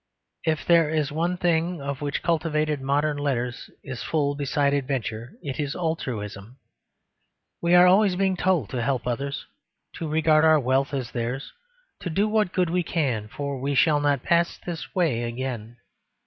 If there is one thing of which cultivated modern letters is full besides adventure it is altruism. We are always being told to help others, to regard our wealth as theirs, to do what good we can, for we shall not pass this way again.